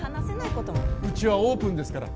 うちはオープンですから。